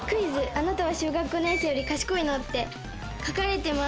あなたは小学５年生より賢いの？」って書かれています！